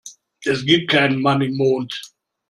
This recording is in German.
Es gibt keinen Mann im Mond.